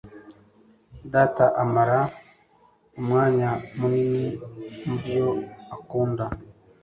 Data amara umwanya munini mubyo akunda